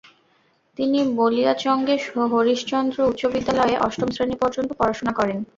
তিনি বানিয়াচঙ্গের হরিশ্চন্দ্র উচ্চ বিদ্যালয়ে অষ্টম শ্রেণী পর্যন্ত পড়াশোনা করেন।